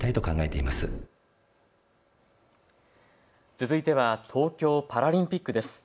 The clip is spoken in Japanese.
続いては東京パラリンピックです。